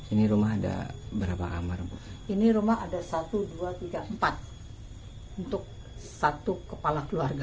ini rumah ada berapa kamar ini rumah ada satu dua tiga empat untuk satu kepala keluarga